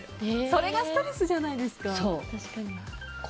それがストレスじゃないですか？